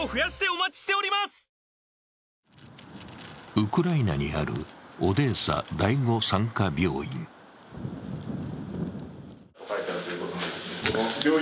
ウクライナにあるオデーサ第５産科病院。